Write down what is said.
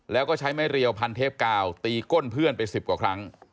แล้วก็ใช้ไม้เรียวพันเทปกาวตีก้นเพื่อนไป๑๐กว่าครั้ง